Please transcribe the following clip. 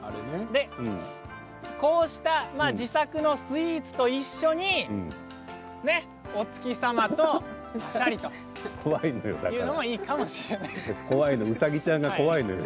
こうした自作のスイーツと一緒に、お月様とパシャリというのもいいかもしれ怖いのよ。